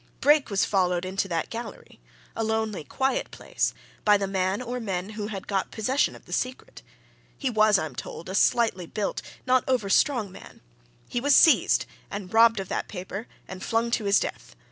Brake was followed into that gallery a lonely, quiet place by the man or men who had got possession of the secret; he was, I'm told, a slightly built, not over strong man he was seized and robbed of that paper and flung to his death.